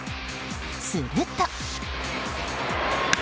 すると。